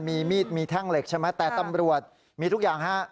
มีมีดมีแท่งเหล็กใช่ไหมแต่ตำรวจมีทุกอย่างฮะ